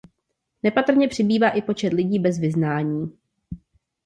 Nepatrně přibývá i počet lidí bez vyznání.